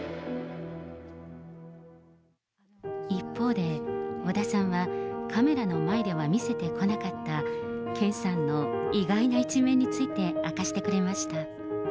一方で、小田さんは、カメラの前では見せてこなかった、健さんの意外な一面について、明かしてくれました。